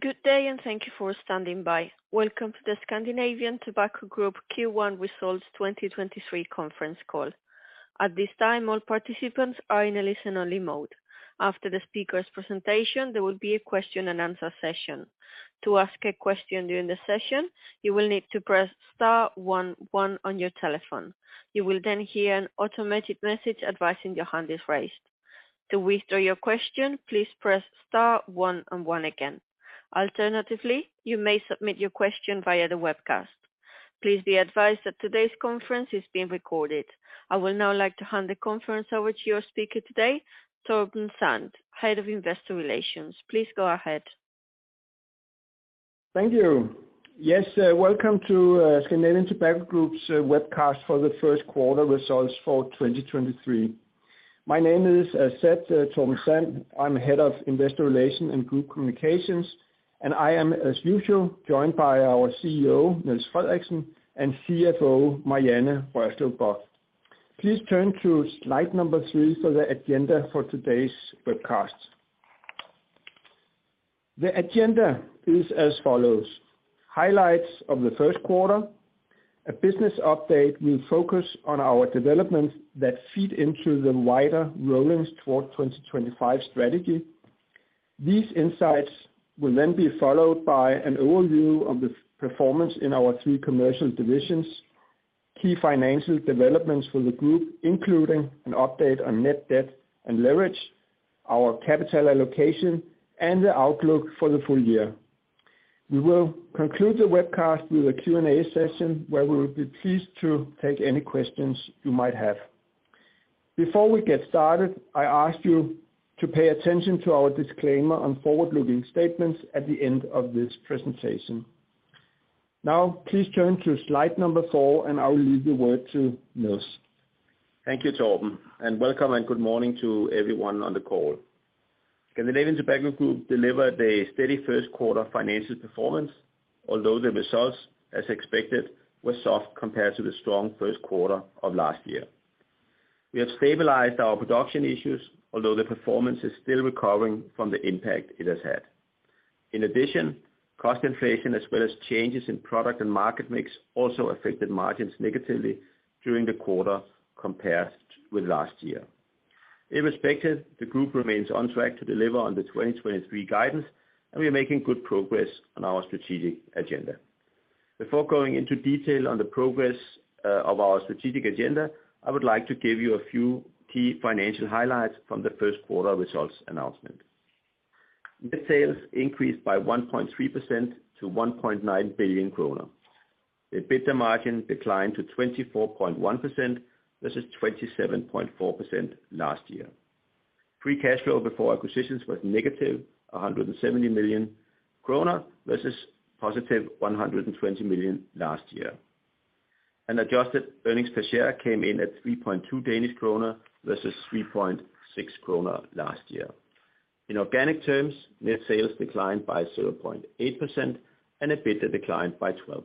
Good day, thank you for standing by. Welcome to the Scandinavian Tobacco Group Q1 Results 2023 conference call. At this time, all participants are in a listen-only mode. After the speaker's presentation, there will be a question and answer session. To ask a question during the session, you will need to press star one one on your telephone. You will then hear an automated message advising your hand is raised. To withdraw your question, please press star one one again. Alternatively, you may submit your question via the webcast. Please be advised that today's conference is being recorded. I would now like to hand the conference over to your speaker today, Torben Sand, Head of Investor Relations. Please go ahead. Thank you. Yes, welcome to Scandinavian Tobacco Group's webcast for the first quarter results for 2023. My name is Torben Sand. I'm Head of Investor Relations and Group Communications, and I am, as usual, joined by our CEO, Niels Frederiksen, and CFO, Marianne Rørslev Bock. Please turn to slide number three for the agenda for today's webcast. The agenda is as follows: Highlights of the first quarter. A business update will focus on our developments that feed into the wider Rolling Towards 2025 strategy. These insights will then be followed by an overview of the performance in our three commercial divisions, key financial developments for the group, including an update on net debt and leverage, our capital allocation, and the outlook for the full year. We will conclude the webcast with a Q&A session where we will be pleased to take any questions you might have. Before we get started, I ask you to pay attention to our disclaimer on forward-looking statements at the end of this presentation. Now, please turn to slide number four, and I will leave the word to Niels. Thank you, Torben. Welcome and good morning to everyone on the call. Scandinavian Tobacco Group delivered a steady first quarter financial performance, although the results, as expected, were soft compared to the strong first quarter of last year. We have stabilized our production issues, although the performance is still recovering from the impact it has had. In addition, cost inflation as well as changes in product and market mix also affected margins negatively during the quarter compared with last year. Irrespective, the group remains on track to deliver on the 2023 guidance, and we are making good progress on our strategic agenda. Before going into detail on the progress of our strategic agenda, I would like to give you a few key financial highlights from the first quarter results announcement. Net sales increased by 1.3% to 1.9 billion kroner. EBITDA margin declined to 24.1% versus 27.4% last year. Free cash flow before acquisitions was negative 170 million kroner versus positive 120 million last year. Adjusted earnings per share came in at 3.2 Danish kroner versus 3.6 kroner last year. In organic terms, net sales declined by 0.8%, and EBITDA declined by 12%.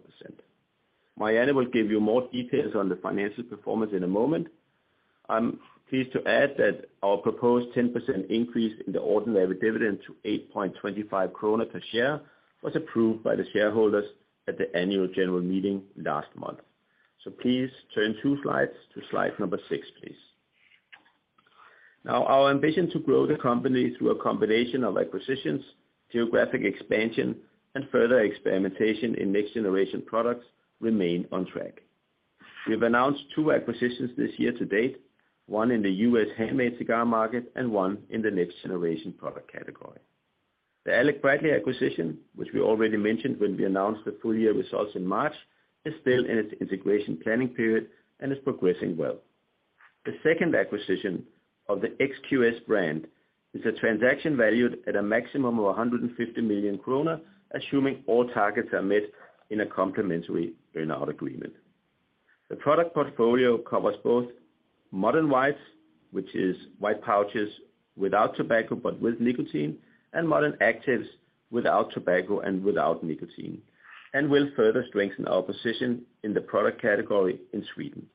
Marianne Rørslev Bock will give you more details on the financial performance in a moment. I'm pleased to add that our proposed 10% increase in the ordinary dividend to 8.25 krone per share was approved by the shareholders at the annual general meeting last month. Please turn two slides to slide number 6, please. Our ambition to grow the company through a combination of acquisitions, geographic expansion, and further experimentation in next-generation products remain on track. We have announced 2 acquisitions year-to-date, one in the U.S. handmade cigar market and one in the next-generation product category. The Alec Bradley acquisition, which we already mentioned when we announced the full-year results in March, is still in its integration planning period and is progressing well. The second acquisition of the XQS brand is a transaction valued at a maximum of 150 million kroner, assuming all targets are met in a complementary earn-out agreement. The product portfolio covers both Modern Whites, which is white pouches without tobacco but with nicotine, and Modern Actives without tobacco and without nicotine, and will further strengthen our position in the product category in Sweden.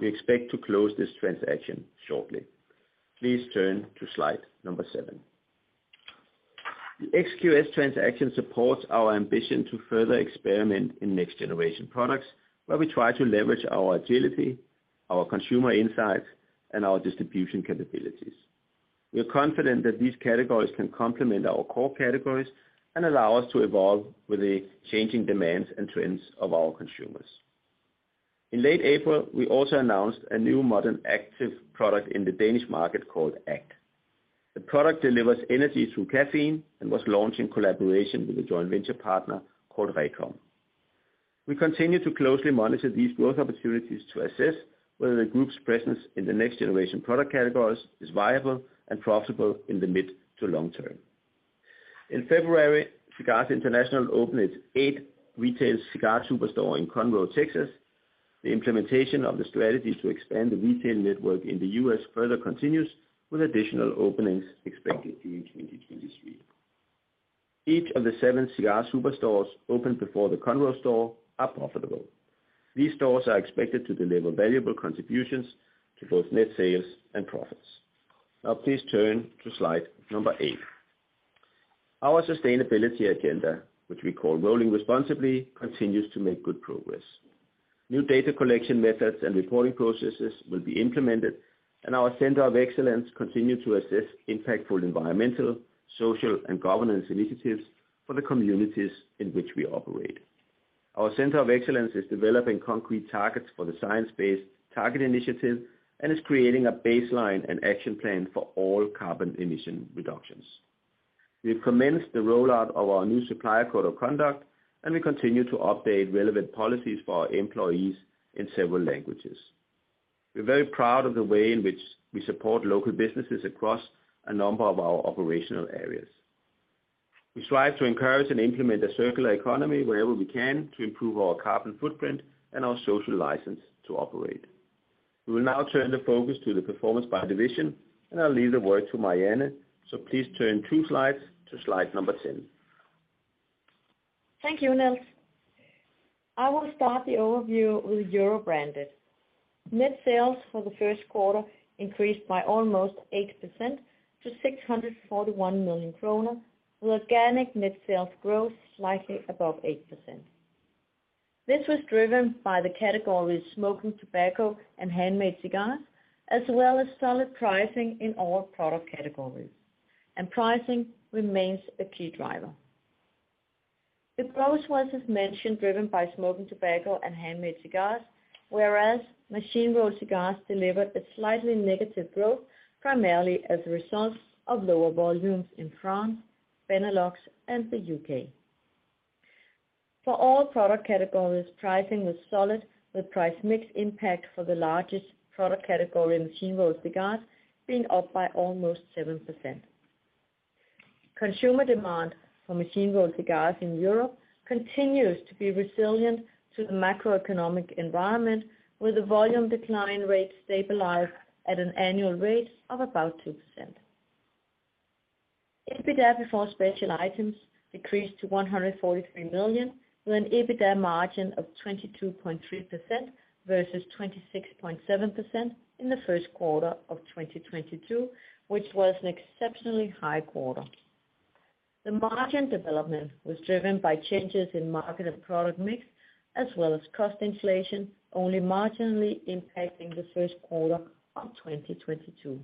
We expect to close this transaction shortly. Please turn to slide number seven. The XQS transaction supports our ambition to further experiment in next-generation products, where we try to leverage our agility, our consumer insights, and our distribution capabilities. We are confident that these categories can complement our core categories and allow us to evolve with the changing demands and trends of our consumers. In late April, we also announced a new Modern Active product in the Danish market called !act. The product delivers energy through caffeine and was launched in collaboration with a joint venture partner called Recom. We continue to closely monitor these growth opportunities to assess whether the group's presence in the next-generation product categories is viable and profitable in the mid to long term. In February, Cigars International opened its eighth retail cigar superstore in Conroe, Texas. The implementation of the strategy to expand the retail network in the U.S. further continues with additional openings expected in 2023. Each of the seven cigar superstores opened before the Conroe store are profitable. These stores are expected to deliver valuable contributions to both net sales and profits. Please turn to slide number eight. Our sustainability agenda, which we call Rolling Responsibly, continues to make good progress. New data collection methods and reporting processes will be implemented, and our center of excellence continue to assess impactful environmental, social, and governance initiatives for the communities in which we operate. Our center of excellence is developing concrete targets for the Science Based Targets initiative and is creating a baseline and action plan for all carbon emission reductions. We've commenced the rollout of our new supplier code of conduct, and we continue to update relevant policies for our employees in several languages. We're very proud of the way in which we support local businesses across a number of our operational areas. We strive to encourage and implement a circular economy wherever we can to improve our carbon footprint and our social license to operate. We will now turn the focus to the performance by division, I'll leave the word to Marianne. Please turn two slides to slide number 10. Thank you, Niels. I will start the overview with Europe Branded. Net sales for the first quarter increased by almost 8% to 641 million kroner, with organic net sales growth slightly above 8%. This was driven by the categories smoking tobacco and handmade cigars, as well as solid pricing in all product categories. Pricing remains a key driver. The growth was, as mentioned, driven by smoking tobacco and han dmade cigars, whereas machine-rolled cigars delivered a slightly negative growth, primarily as a result of lower volumes in France, Benelux, and the U.K. For all product categories, pricing was solid, with price mix impact for the largest product category in machine-rolled cigars being up by almost 7%. Consumer demand for machine-rolled cigars in Europe continues to be resilient to the macroeconomic environment, with the volume decline rate stabilized at an annual rate of about 2%. EBITDA before special items decreased to 143 million, with an EBITDA margin of 22.3% versus 26.7% in the first quarter of 2022, which was an exceptionally high quarter. The margin development was driven by changes in market and product mix, as well as cost inflation, only marginally impacting the first quarter of 2022.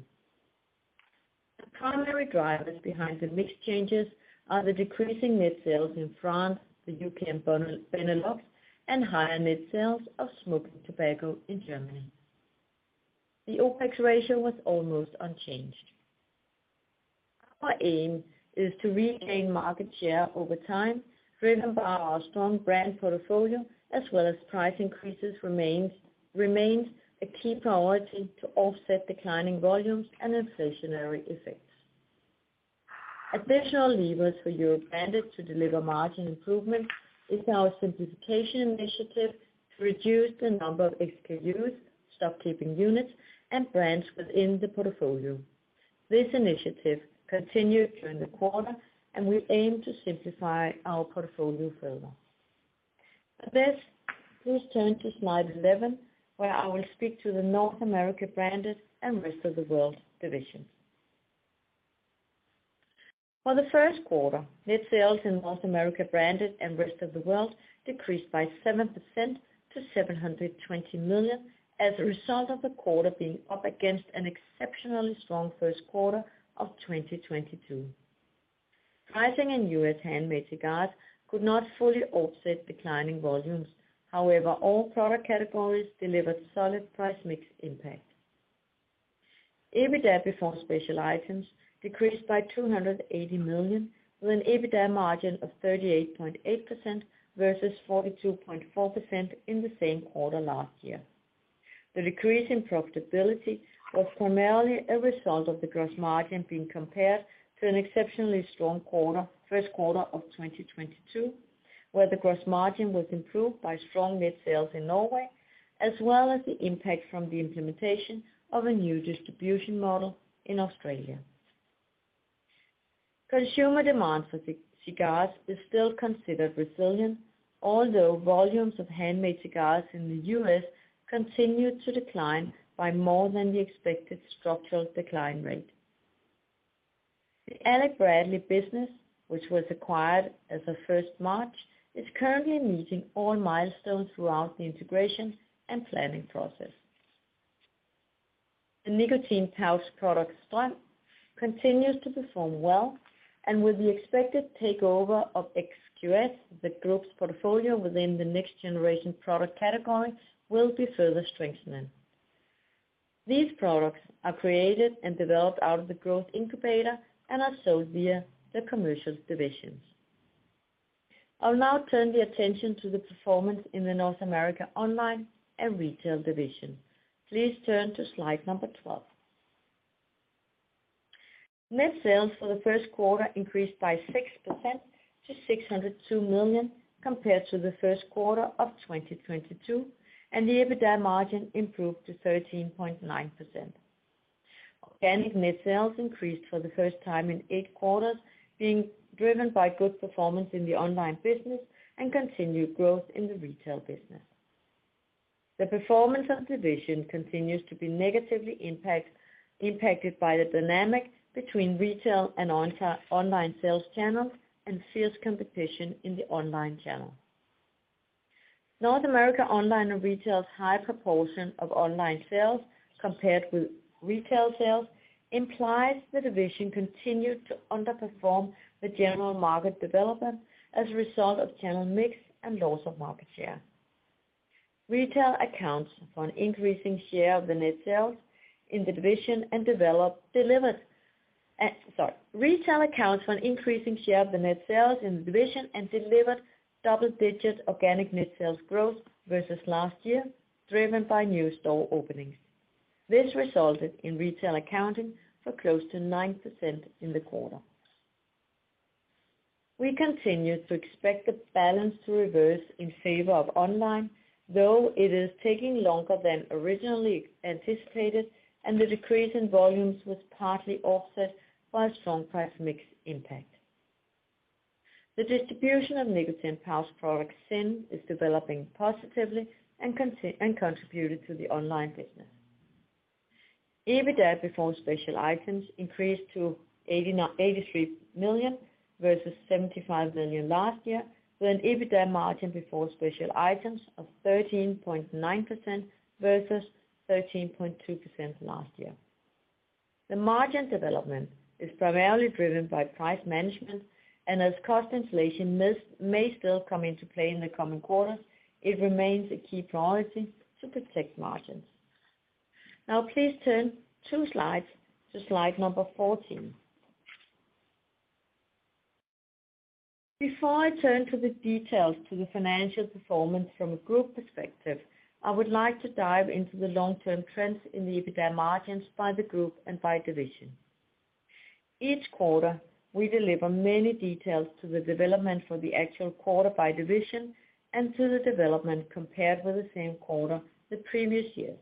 The primary drivers behind the mix changes are the decreasing net sales in France, the UK and Benelux, and higher net sales of smoking tobacco in Germany. The OpEx ratio was almost unchanged. Our aim is to regain market share over time, driven by our strong brand portfolio as well as price increases remains a key priority to offset declining volumes and inflationary effects. Additional levers for Europe Branded to deliver margin improvement is our simplification initiative to reduce the number of SKUs, stock keeping units and brands within the portfolio. This initiative continued during the quarter. We aim to simplify our portfolio further. With this, please turn to slide 11, where I will speak to the North America Branded and Rest of the World divisions. For the first quarter, net sales in North America Branded and Rest of the World decreased by 7% to 720 million as a result of the quarter being up against an exceptionally strong first quarter of 2022. Pricing in U.S. handmade cigars could not fully offset declining volumes. However, all product categories delivered solid price mix impact. EBITDA before special items decreased by 280 million, with an EBITDA margin of 38.8% versus 42.4% in the same quarter last year. The decrease in profitability was primarily a result of the gross margin being compared to an exceptionally strong quarter, 1st quarter of 2022, where the gross margin was improved by strong net sales in Norway, as well as the impact from the implementation of a new distribution model in Australia. Consumer demand for cigars is still considered resilient, although volumes of handmade cigars in the U.S. continued to decline by more than the expected structural decline rate. The Alec Bradley business, which was acquired as of 1st March, is currently meeting all milestones throughout the integration and planning process. The nicotine pouch product STRÖM continues to perform well, and with the expected takeover of XQS, the group's portfolio within the next generation product category will be further strengthening. These products are created and developed out of the growth incubator and are sold via the commercials divisions. I'll now turn the attention to the performance in the North America Online and Retail division. Please turn to slide number 12. Net sales for the first quarter increased by 6% to 602 million compared to the first quarter of 2022, and the EBITDA margin improved to 13.9%. Organic net sales increased for the first time in eight quarters, being driven by good performance in the online business and continued growth in the retail business. The performance of the division continues to be negatively impacted by the dynamic between retail and online sales channels and fierce competition in the online channel. North America Online and Retail's high proportion of online sales compared with retail sales implies the division continued to underperform the general market development as a result of channel mix and loss of market share. Retail accounts for an increasing share of the net sales in the division and delivered double-digit organic net sales growth versus last year, driven by new store openings. This resulted in retail accounting for close to 9% in the quarter. We continue to expect the balance to reverse in favor of online, though it is taking longer than originally anticipated, and the decrease in volumes was partly offset by a strong price mix impact. The distribution of Nicotine Pouches product ZYN is developing positively and contributed to the online business. EBITDA before special items increased to 83 million versus 75 million last year, with an EBITDA margin before special items of 13.9% versus 13.2% last year. The margin development is primarily driven by price management, and as cost inflation may still come into play in the coming quarters, it remains a key priority to protect margins. Now please turn two slides to slide number 14. Before I turn to the details to the financial performance from a group perspective, I would like to dive into the long-term trends in the EBITDA margins by the group and by division. Each quarter, we deliver many details to the development for the actual quarter by division and to the development compared with the same quarter the previous year.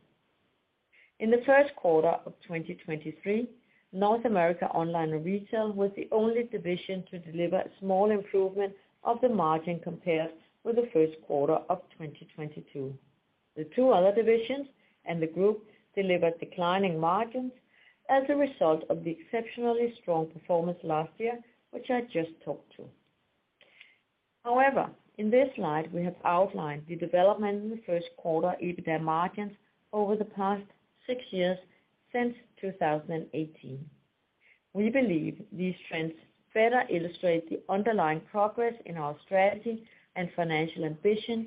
In the first quarter of 2023, North America Online and Retail was the only division to deliver a small improvement of the margin compared with the first quarter of 2022. The two other divisions and the group delivered declining margins as a result of the exceptionally strong performance last year, which I just talked to. In this slide we have outlined the development in the first quarter EBITDA margins over the past six years since 2018. We believe these trends better illustrate the underlying progress in our strategy and financial ambitions.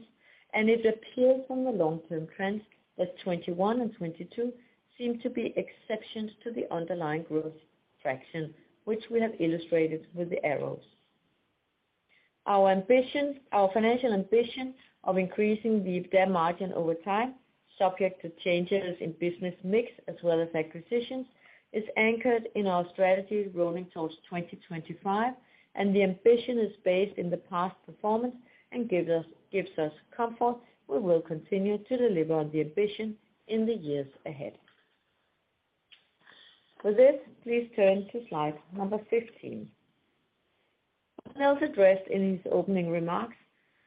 It appears from the long-term trends that 21 and 22 seem to be exceptions to the underlying growth fraction, which we have illustrated with the arrows. Our ambition, our financial ambition of increasing the EBITDA margin over time, subject to changes in business mix as well as acquisitions, is anchored in our strategy Rolling Towards 2025. The ambition is based in the past performance and gives us comfort we will continue to deliver on the ambition in the years ahead. For this, please turn to slide number 15. As Niels addressed in his opening remarks,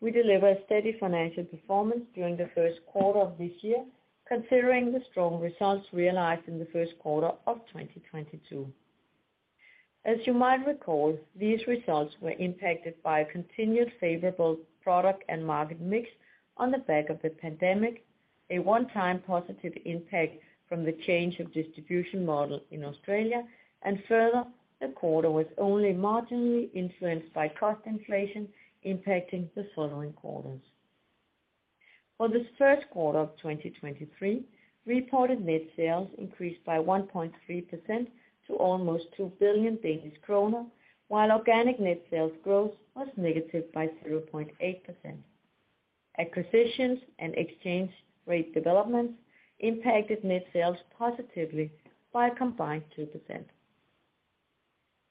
we deliver a steady financial performance during the first quarter of this year, considering the strong results realized in the first quarter of 2022. As you might recall, these results were impacted by a continued favorable product and market mix on the back of the pandemic, a one-time positive impact from the change of distribution model in Australia, and further, the quarter was only marginally influenced by cost inflation impacting the following quarters. For this first quarter of 2023, reported net sales increased by 1.3% to almost 2 billion Danish kroner, while organic net sales growth was negative by 0.8%. Acquisitions and exchange rate developments impacted net sales positively by a combined 2%.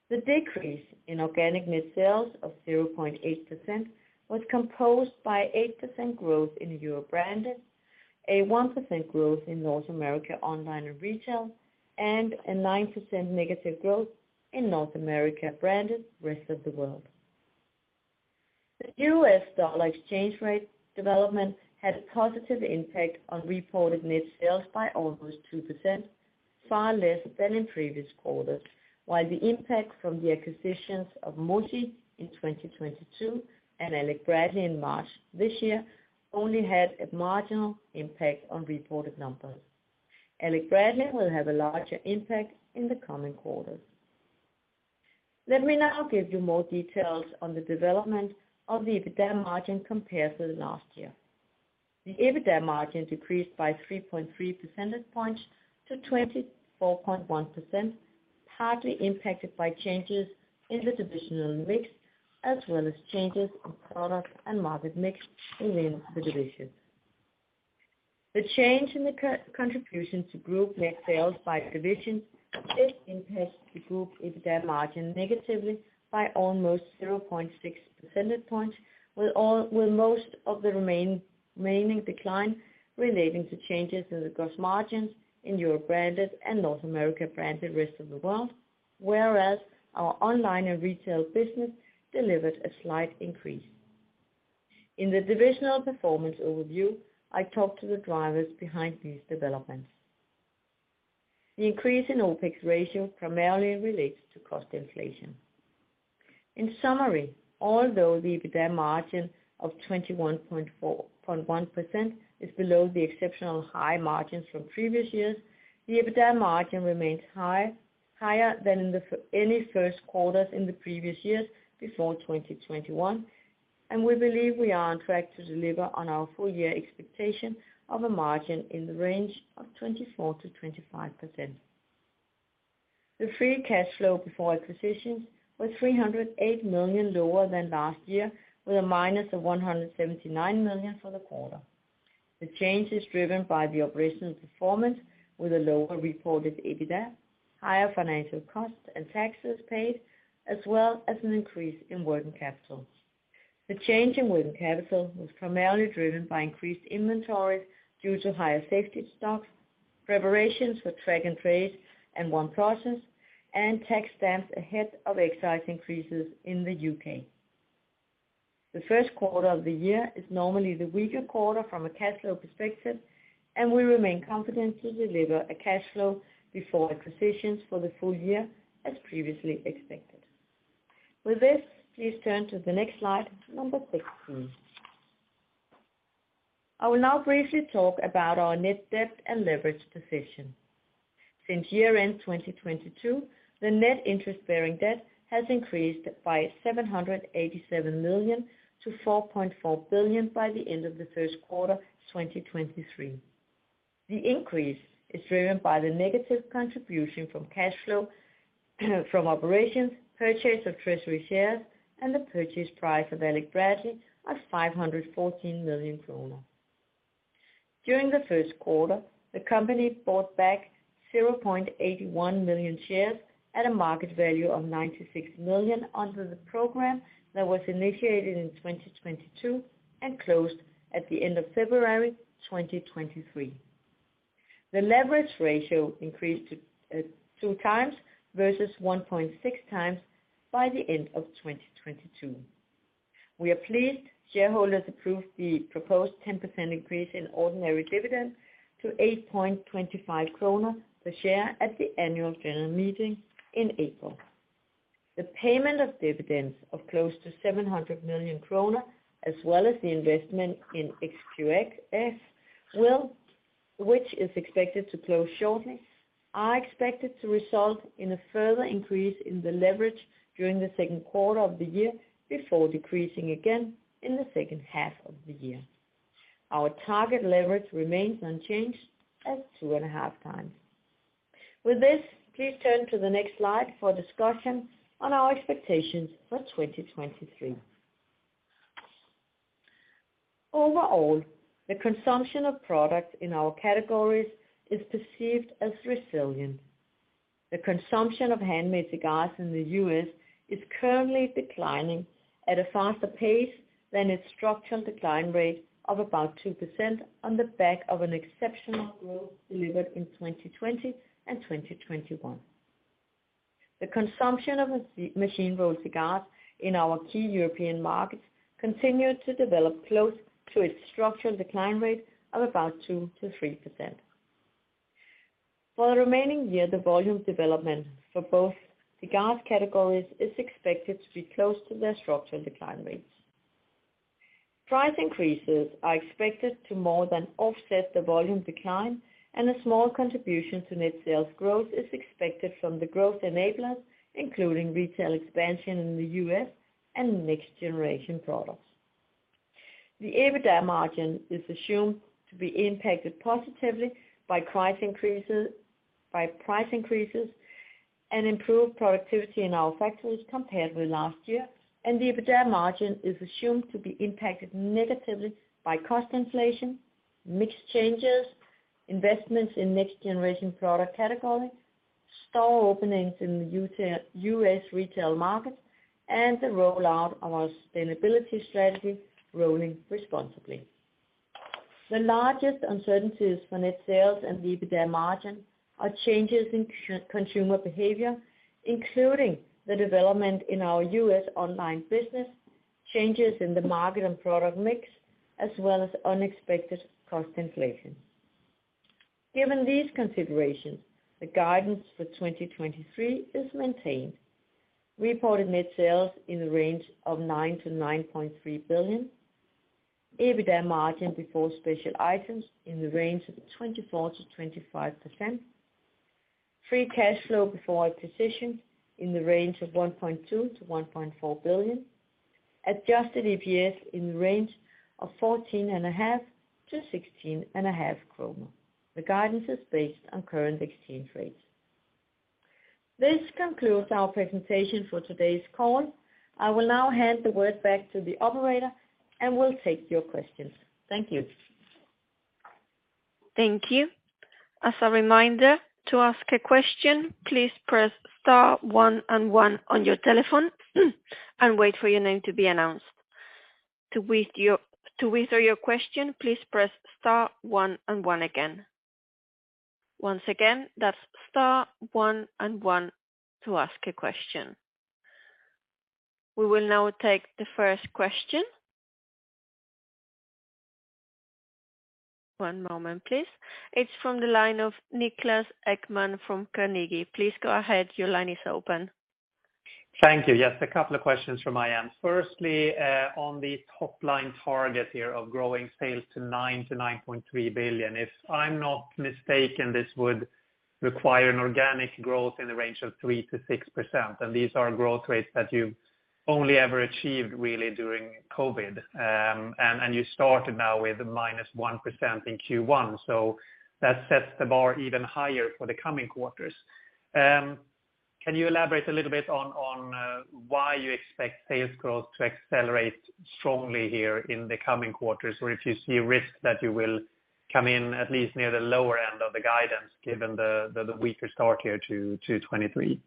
The decrease in organic net sales of 0.8% was composed by 8% growth in Europe Branded, a 1% growth in North America Online & Retail, and a 9% negative growth in North America Branded & Rest of World. The US dollar exchange rate development had a positive impact on reported net sales by almost 2%, far less than in previous quarters, while the impact from the acquisitions of MOSI in 2022 and Alec Bradley in March this year only had a marginal impact on reported numbers. Alec Bradley will have a larger impact in the coming quarters. Let me now give you more details on the development of the EBITDA margin compared to last year. The EBITDA margin decreased by 3.3% points to 24.1%, partly impacted by changes in the divisional mix as well as changes in product and market mix within the divisions. The change in the co-contribution to group net sales by division Impact the group EBITA margin negatively by almost 0.6 percentage points, with most of the remaining decline relating to changes in the gross margins in Europe Branded and North America Branded Rest of the World, whereas our online and retail business delivered a slight increase. In the divisional performance overview, I talked to the drivers behind these developments. The increase in OpEx ratio primarily relates to cost inflation. In summary, although the EBITA margin of 21.41% is below the exceptional high margins from previous years, the EBITA margin remains higher than in any first quarters in the previous years before 2021. We believe we are on track to deliver on our full year expectation of a margin in the range of 24%-25%. The free cash flow before acquisitions was 308 million lower than last year, with -179 million for the quarter. The change is driven by the operational performance with a lower reported EBITA, higher financial costs and taxes paid, as well as an increase in working capital. The change in working capital was primarily driven by increased inventory due to higher safety stocks, preparations for track and trace and one process, and tax stamps ahead of excise increases in the UK. The first quarter of the year is normally the weaker quarter from a cash flow perspective, and we remain confident to deliver a cash flow before acquisitions for the full year as previously expected. With this, please turn to the next slide, number 16. I will now briefly talk about our net debt and leverage position. Since year-end 2022, the net interest-bearing debt has increased by 787 million to 4.4 billion by the end of the first quarter, 2023. The increase is driven by the negative contribution from cash flow from operations, purchase of treasury shares, and the purchase price of Alec Bradley of 514 million kroner. During the first quarter, the company bought back 0.81 million shares at a market value of 96 million under the program that was initiated in 2022 and closed at the end of February 2023. The leverage ratio increased to two times versus 1.6 times by the end of 2022. We are pleased shareholders approved the proposed 10% increase in ordinary dividend to 8.25 kroner per share at the annual general meeting in April. The payment of dividends of close to 700 million kroner, as well as the investment in XQS which is expected to close shortly, are expected to result in a further increase in the leverage during the second quarter of the year, before decreasing again in the second half of the year. Our target leverage remains unchanged at 2.5 times. With this, please turn to the next slide for a discussion on our expectations for 2023. Overall, the consumption of products in our categories is perceived as resilient. The consumption of handmade cigars in the U.S. is currently declining at a faster pace than its structural decline rate of about 2% on the back of an exceptional growth delivered in 2020 and 2021. The consumption of machine-rolled cigars in our key European markets continued to develop close to its structural decline rate of about 2%-3%. For the remaining year, the volume development for both cigar categories is expected to be close to their structural decline rates. Price increases are expected to more than offset the volume decline and a small contribution to net sales growth is expected from the growth enablers, including retail expansion in the U.S. and next generation products. The EBITA margin is assumed to be impacted positively by price increases and improved productivity in our factories compared with last year. The EBITA margin is assumed to be impacted negatively by cost inflation, mix changes, investments in next generation product categories, store openings in the U.S. retail market, and the rollout of our sustainability strategy Rolling Responsibly. The largest uncertainties for net sales and the EBITA margin are changes in consumer behavior, including the development in our US online business, changes in the market and product mix, as well as unexpected cost inflation. Given these considerations, the guidance for 2023 is maintained. Reported net sales in the range of 9 billion-9.3 billion. EBITA margin before special items in the range of 24%-25%. Free cash flow before acquisition in the range of 1.2 billion-1.4 billion. Adjusted EPS in the range of 14.5-16.5 kroner. The guidance is based on current exchange rates. This concludes our presentation for today's call. I will now hand the word back to the operator, and we'll take your questions. Thank you. Thank you. As a reminder, to ask a question, please press star one and one on your telephone, and wait for your name to be announced. To withdraw your question, please press star one and one again. Once again, that's star one and one to ask a question. We will now take the first question. One moment, please. It's from the line of Niklas Ekman from Carnegie. Please go ahead. Your line is open. Thank you. Yes, a couple of questions from my end. Firstly, on the top line target here of growing sales to 9 billion-9.3 billion. If I'm not mistaken, this would require an organic growth in the range of 3%-6%, and these are growth rates that you've only ever achieved really during COVID. You started now with -1% in Q1, so that sets the bar even higher for the coming quarters. Can you elaborate a little bit why you expect sales growth to accelerate strongly here in the coming quarters, or if you see risks that you will come in at least near the lower end of the guidance given the weaker start here to 2023?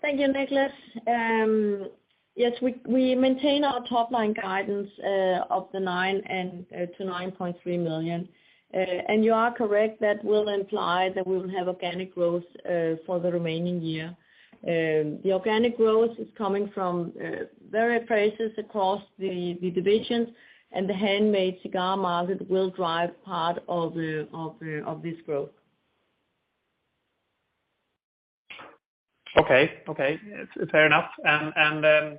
Thank you, Niklas. Yes, we maintain our top-line guidance of 9 million-9.3 million. You are correct that will imply that we will have organic growth for the remaining year. The organic growth is coming from various places across the divisions, and the handmade cigar market will drive part of this growth. Okay. Okay. Fair enough. If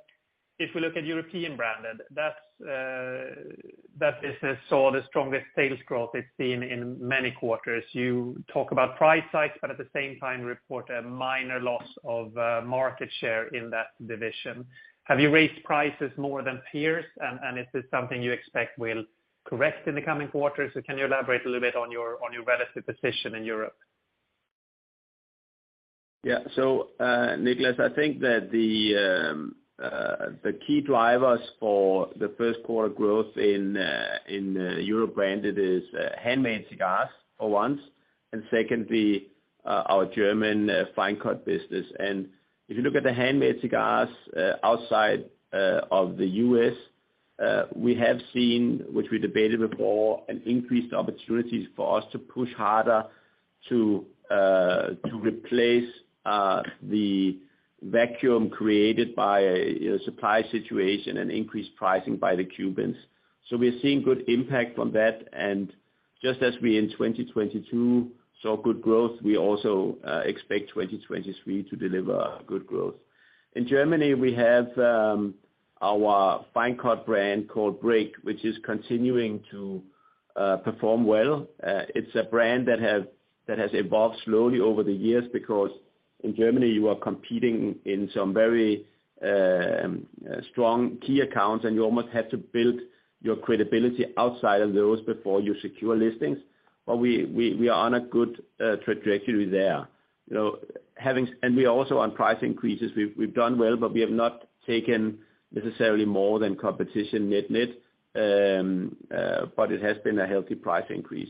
we look at Europe Branded, that business saw the strongest sales growth it's seen in many quarters. You talk about price hikes, but at the same time report a minor loss of market share in that division. Have you raised prices more than peers? Is this something you expect will correct in the coming quarters? Can you elaborate a little bit on your, on your relative position in Europe? Yeah. Niklas, I think that the key drivers for the first quarter growth in Europe Branded is handmade cigars for once, and secondly, our German fine cut business. If you look at the handmade cigars outside of the U.S., we have seen, which we debated before, an increased opportunities for us to push harder to replace the vacuum created by a supply situation and increased pricing by the Cubans. We're seeing good impact on that, and just as we in 2022 saw good growth, we also expect 2023 to deliver good growth. In Germany, we have our fine cut brand called Break, which is continuing to perform well. It's a brand that has evolved slowly over the years because in Germany, you are competing in some very strong key accounts, and you almost have to build your credibility outside of those before you secure listings. We are on a good trajectory there. You know, we're also on price increases. We've done well, but we have not taken necessarily more than competition net-net, but it has been a healthy price increase.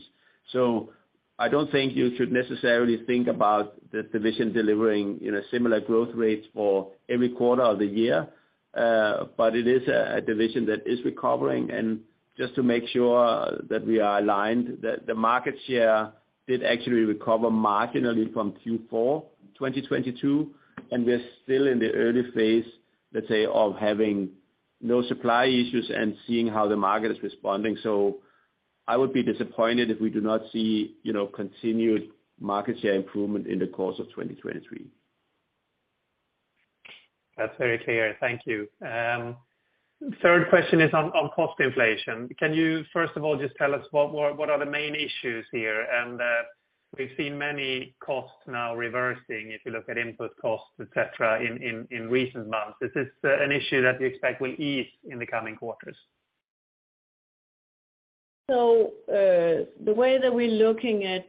I don't think you should necessarily think about the division delivering, you know, similar growth rates for every quarter of the year, but it is a division that is recovering. Just to make sure that we are aligned, the market share did actually recover marginally from Q4 2022, and we're still in the early phase, let's say, of having no supply issues and seeing how the market is responding. I would be disappointed if we do not see, you know, continued market share improvement in the course of 2023. That's very clear. Thank you. Third question is on cost inflation. Can you first of all just tell us what are the main issues here? We've seen many costs now reversing if you look at input costs, et cetera, in recent months. Is this an issue that you expect will ease in the coming quarters? The way that we're looking at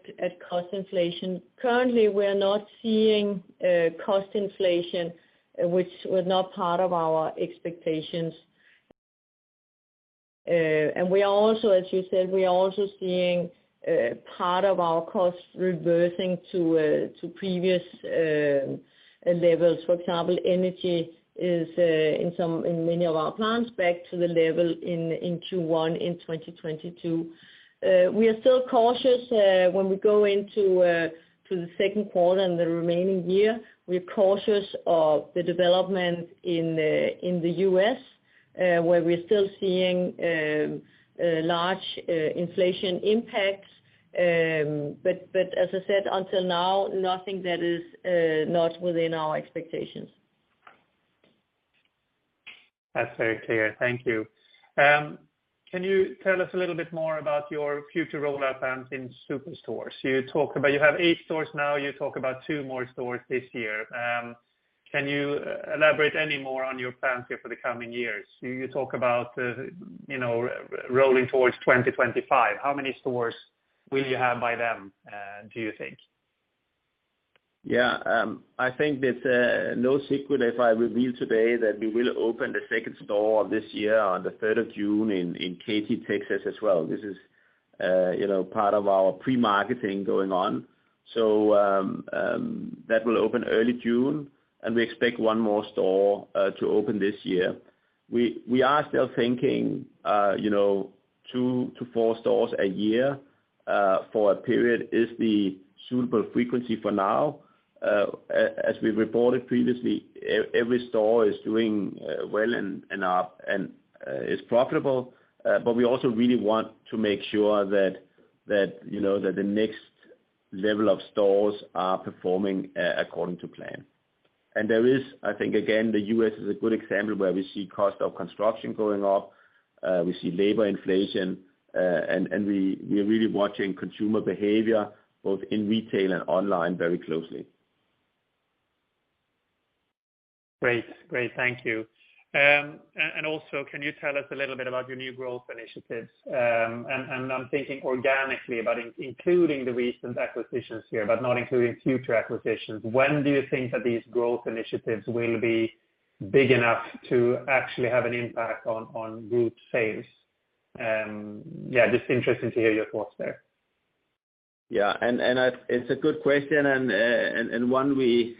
cost inflation, currently we're not seeing cost inflation, which was not part of our expectations. We are also, as you said, we are also seeing part of our costs reversing to previous levels. For example, energy is in some, in many of our plants back to the level in Q1 in 2022. We are still cautious when we go into the second quarter and the remaining year. We're cautious of the development in the U.S., where we're still seeing large inflation impacts. As I said, until now, nothing that is not within our expectations. That's very clear. Thank you. Can you tell us a little bit more about your future rollout plans in superstores? You talked about you have eight stores now. You talk about two more stores this year. Can you elaborate any more on your plans here for the coming years? You talk about, you know, Rolling Towards 2025. How many stores will you have by then, do you think? Yeah. I think that no secret if I reveal today that we will open the second store this year on the third of June in Katy, Texas as well. This is, you know, part of our pre-marketing going on. That will open early June, and we expect one more store to open this year. We are still thinking, you know, two to four stores a year for a period is the suitable frequency for now. As we reported previously, every store is doing well and is profitable. We also really want to make sure that, you know, that the next level of stores are performing according to plan. There is, I think again, the U.S. is a good example where we see cost of construction going up, we see labor inflation, and we are really watching consumer behavior both in retail and online very closely. Great. Great. Thank you. And also, can you tell us a little bit about your new growth initiatives? And I'm thinking organically about including the recent acquisitions here, but not including future acquisitions. When do you think that these growth initiatives will be big enough to actually have an impact on group sales? Yeah, just interesting to hear your thoughts there. Yeah. It's a good question and one we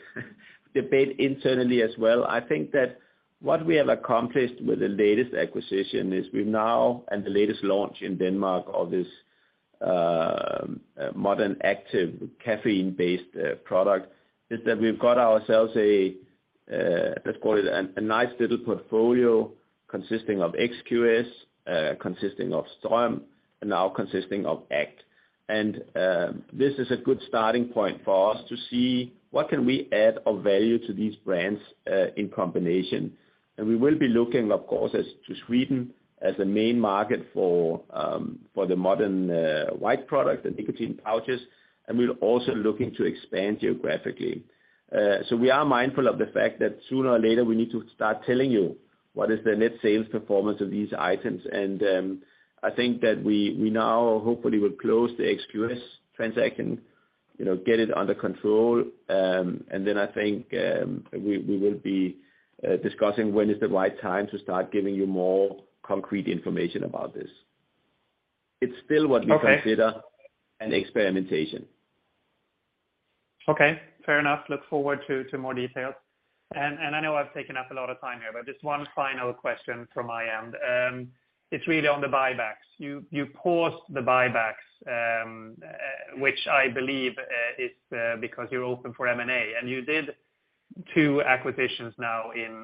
debate internally as well. I think that what we have accomplished with the latest acquisition is we've now, and the latest launch in Denmark of this modern active caffeine-based product, is that we've got ourselves a, let's call it a nice little portfolio consisting of XQS, consisting of STRÖM, and now consisting of !act. This is a good starting point for us to see what can we add of value to these brands in combination. We will be looking of course as to Sweden as the main market for the modern white product, the nicotine pouches, and we're also looking to expand geographically. We are mindful of the fact that sooner or later we need to start telling you what is the net sales performance of these items. I think that we now hopefully will close the XQS transaction, you know, get it under control. I think we will be discussing when is the right time to start giving you more concrete information about this. It's still what we. Okay. Consider an experimentation. Okay. Fair enough. Look forward to more details. I know I've taken up a lot of time here, but just one final question from my end. It's really on the buybacks. You paused the buybacks, which I believe is because you're open for M&A. You did two acquisitions now in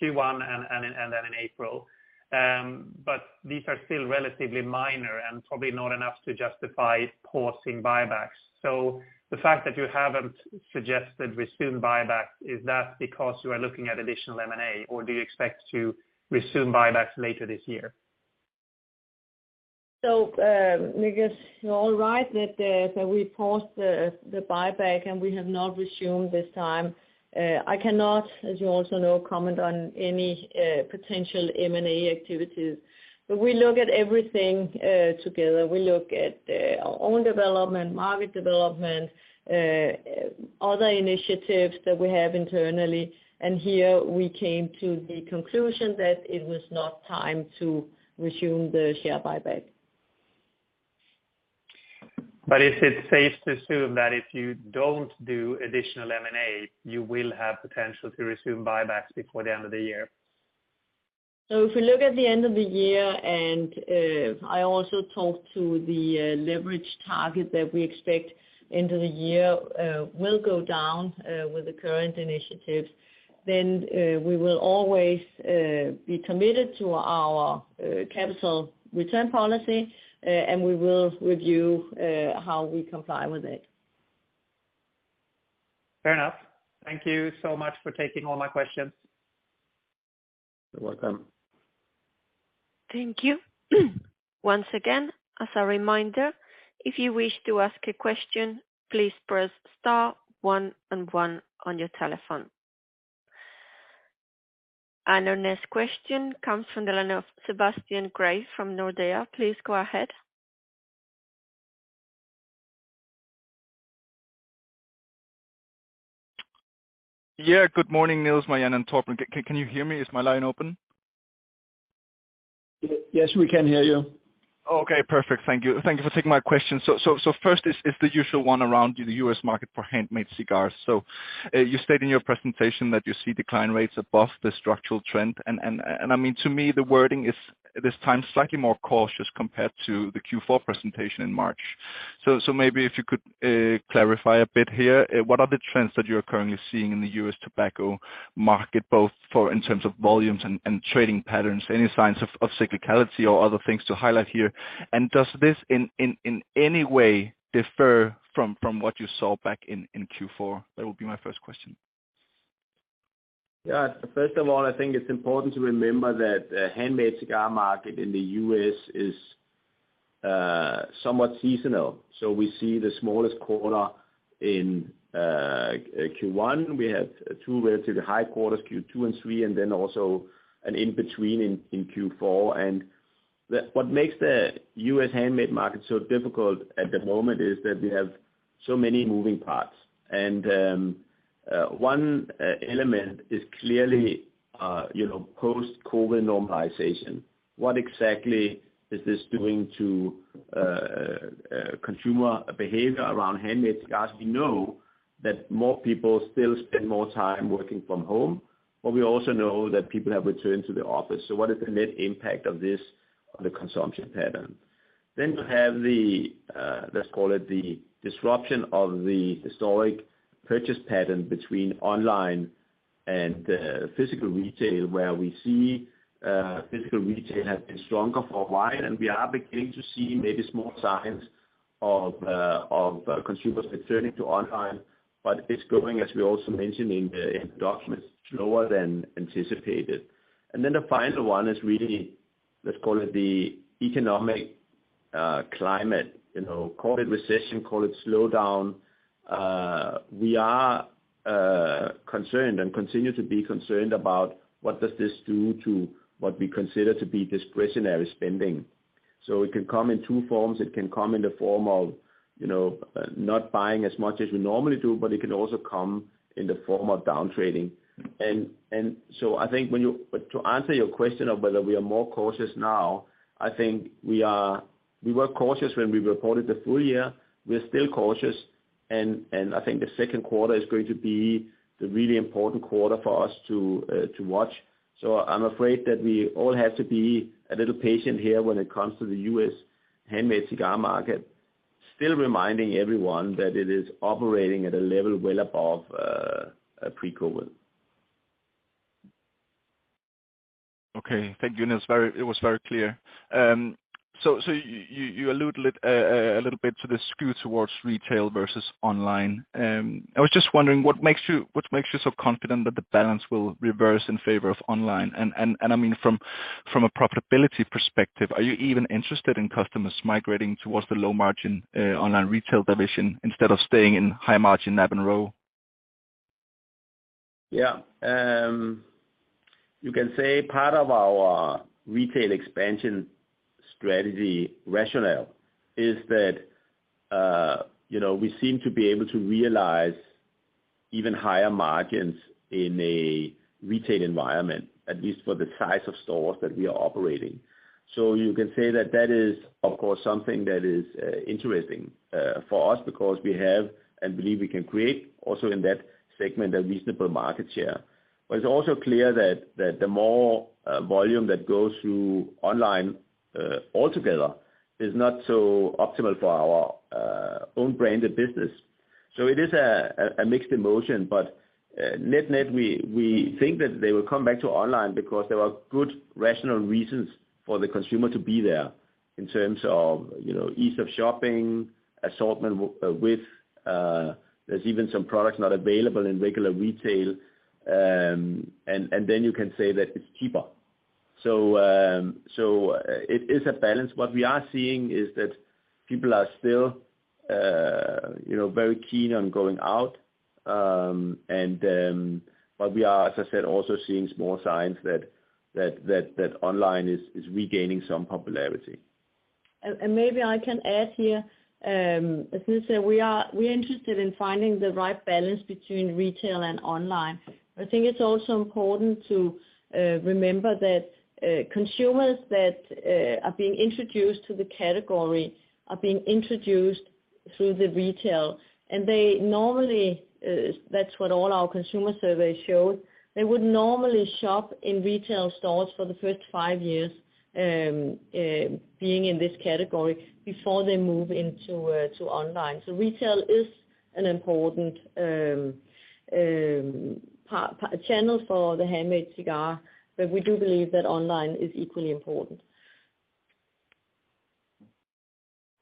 Q1 and then in April. These are still relatively minor and probably not enough to justify pausing buybacks. The fact that you haven't suggested resuming buybacks, is that because you are looking at additional M&A, or do you expect to resume buybacks later this year? Niklas, you're all right that we paused the buyback, and we have not resumed this time. I cannot, as you also know, comment on any potential M&A activities. We look at everything together. We look at our own development, market development, other initiatives that we have internally, and here we came to the conclusion that it was not time to resume the share buyback. Is it safe to assume that if you don't do additional M&A, you will have potential to resume buybacks before the end of the year? If you look at the end of the year, and I also talked to the leverage target that we expect into the year will go down with the current initiatives, then we will always be committed to our capital return policy, and we will review how we comply with it. Fair enough. Thank you so much for taking all my questions. You're welcome. Thank you. Once again, as a reminder, if you wish to ask a question, please press star one and one on your telephone. Our next question comes from the line of Sebastian Grave from Nordea. Please go ahead. Yeah. Good morning, Niels, my end I'm talking. Can you hear me? Is my line open? Yes, we can hear you. Okay. Perfect. Thank you. Thank you for taking my question. First is the usual one around the U.S. market for handmade cigars. You stated in your presentation that you see decline rates above the structural trend. I mean, to me, the wording is this time slightly more cautious compared to the Q4 presentation in March. Maybe if you could clarify a bit here, what are the trends that you're currently seeing in the U.S. tobacco market, both for in terms of volumes and trading patterns? Any signs of cyclicality or other things to highlight here? Does this in any way differ from what you saw back in Q4? That would be my first question. First of all, I think it's important to remember that handmade cigar market in the US is somewhat seasonal. We see the smallest quarter in Q1. We had two relatively high quarters, Q2 and Q3, and then also an in-between in Q4. What makes the U.S. handmade market so difficult at the moment is that we have so many moving parts. One element is clearly, you know, post-COVID normalization. What exactly is this doing to consumer behavior around handmade cigars? We know that more people still spend more time working from home, but we also know that people have returned to the office. What is the net impact of this on the consumption pattern? You have the, let's call it the disruption of the historic purchase pattern between online and physical retail, where we see physical retail has been stronger for a while, and we are beginning to see maybe small signs of consumers returning to online. It's going, as we also mentioned in the documents, slower than anticipated. The final one is really, let's call it the economic climate. You know, call it recession, call it slowdown. We are concerned and continue to be concerned about what does this do to what we consider to be discretionary spending. It can come in two forms. It can come in the form of, you know, not buying as much as we normally do, but it can also come in the form of down trading. But to answer your question of whether we are more cautious now, I think we are. We were cautious when we reported the full year. We're still cautious. I think the second quarter is going to be the really important quarter for us to watch. I'm afraid that we all have to be a little patient here when it comes to the U.S. handmade cigar market. Still reminding everyone that it is operating at a level well above pre-COVID. Okay. Thank you, Niels. It was very clear. You alluded a little bit to the skew towards retail versus online. I was just wondering what makes you so confident that the balance will reverse in favor of online? I mean, from a profitability perspective, are you even interested in customers migrating towards the low margin online retail division instead of staying in high margin NABROW? Yeah. you can say part of our retail expansion strategy rationale is that, you know, we seem to be able to realize even higher margins in a retail environment, at least for the size of stores that we are operating. You can say that is, of course, something that is interesting for us because we have and believe we can create also in that segment, a reasonable market share. It's also clear that the more volume that goes through online, altogether is not so optimal for our own branded business. It is a mixed emotion. Net-net, we think that they will come back to online because there are good rational reasons for the consumer to be there in terms of, you know, ease of shopping, assortment with, there's even some products not available in regular retail. You can say that it's cheaper. It is a balance. What we are seeing is that people are still, you know, very keen on going out. We are, as I said, also seeing small signs that online is regaining some popularity. Maybe I can add here. As Niels said, we are interested in finding the right balance between retail and online. I think it's also important to remember that consumers that are being introduced to the category are being introduced through the retail, and they normally, that's what all our consumer surveys showed. They would normally shop in retail stores for the first five years being in this category before they move into to online. Retail is an important channel for the handmade cigar, but we do believe that online is equally important.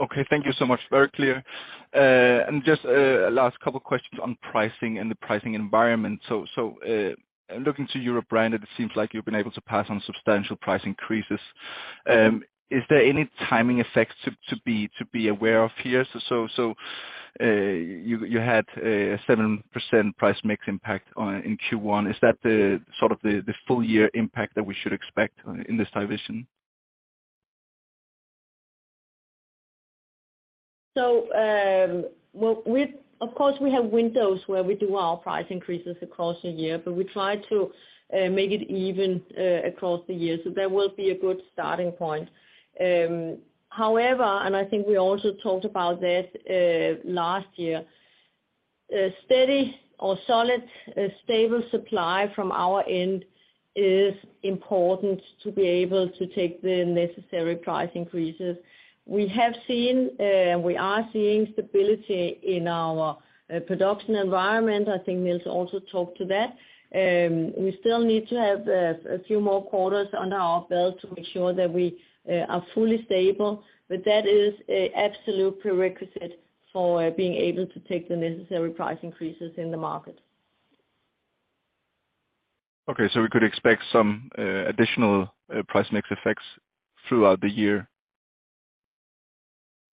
Okay. Thank you so much. Very clear. Just a last couple questions on pricing and the pricing environment. Looking to your brand, it seems like you've been able to pass on substantial price increases. Is there any timing effects to be aware of here? You had a 7% price mix impact on, in Q1. Is that the sort of the full year impact that we should expect in this division? Well, of course, we have windows where we do our price increases across the year, but we try to make it even across the year. That will be a good starting point. However, and I think we also talked about that last year, a steady or solid, stable supply from our end is important to be able to take the necessary price increases. We have seen, and we are seeing stability in our production environment. I think Nils also talked to that. We still need to have a few more quarters under our belt to make sure that we are fully stable, but that is a absolute prerequisite for being able to take the necessary price increases in the market. Okay. We could expect some additional price mix effects throughout the year?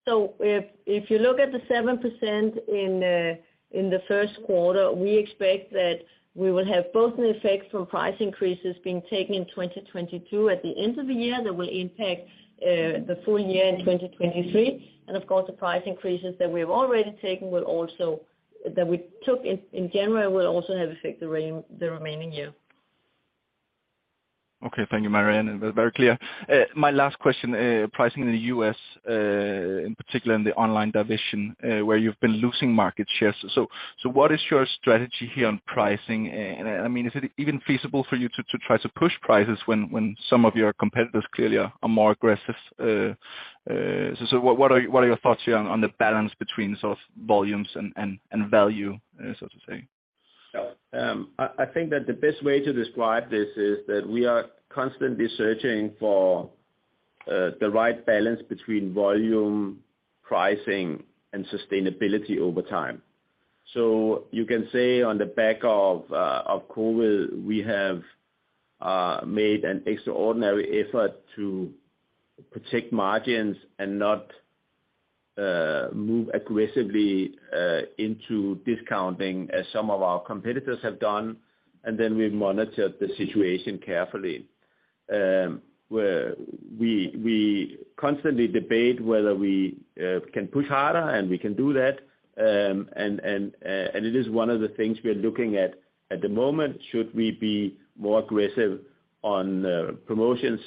If you look at the 7% in the first quarter, we expect that we will have both an effect from price increases being taken in 2022 at the end of the year that will impact the full year in 2023. Of course, the price increases that we have already taken will also that we took in January will also have effect the remaining year. Okay. Thank you, Marianne. That was very clear. My last question, pricing in the U.S., in particular in the online division, where you've been losing market shares. What is your strategy here on pricing? I mean, is it even feasible for you to try to push prices when some of your competitors clearly are more aggressive? What are your thoughts here on the balance between sort of volumes and value, so to say? I think that the best way to describe this is that we are constantly searching for the right balance between volume, pricing, and sustainability over time. You can say on the back of COVID, we have made an extraordinary effort to protect margins and not move aggressively into discounting as some of our competitors have done. Then we monitor the situation carefully. Where we constantly debate whether we can push harder, and we can do that. It is one of the things we are looking at the moment, should we be more aggressive on promotions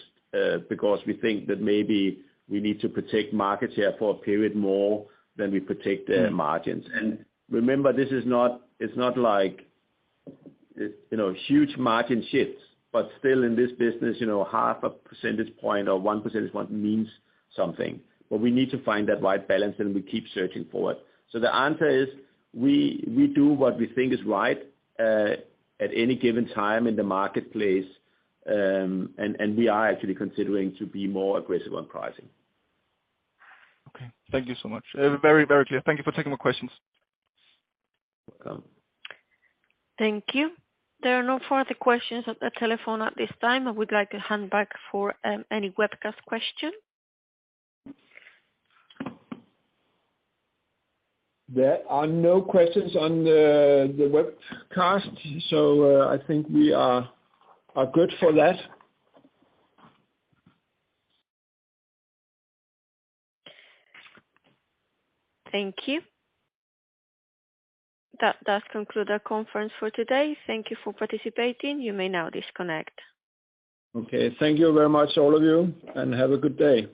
because we think that maybe we need to protect market share for a period more than we protect the margins. Remember it's not like, you know, huge margin shifts, but still in this business, you know, half a percentage point or 1% point means something. We need to find that right balance, and we keep searching for it. The answer is we do what we think is right at any given time in the marketplace. And we are actually considering to be more aggressive on pricing. Okay. Thank you so much. Very, very clear. Thank you for taking my questions. Welcome. Thank you. There are no further questions at the telephone at this time. I would like to hand back for any webcast question. There are no questions on the webcast, so I think we are good for that. Thank you. That does conclude our conference for today. Thank you for participating. You may now disconnect. Okay. Thank you very much all of you. Have a good day.